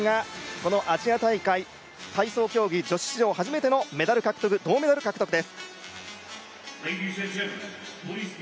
このアジア大会体操競技女子史上のメダル獲得、銅メダル獲得です。